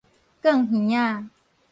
貫耳仔